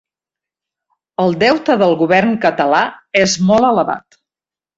El deute del govern català és molt elevat.